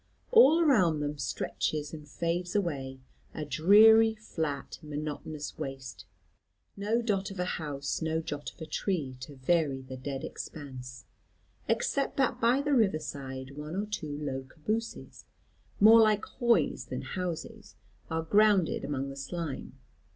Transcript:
All around them stretches and fades away a dreary flat monotonous waste; no dot of a house, no jot of a tree, to vary the dead expanse; except that by the river side one or two low cabooses, more like hoys than houses, are grounded among the slime.